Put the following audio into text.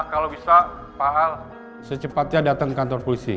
kalau bisa pak hal secepatnya datang ke kantor polisi